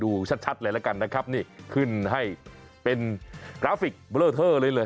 ชัดเลยแล้วกันนะครับนี่ขึ้นให้เป็นกราฟิกเบลอเทอร์เลยเลย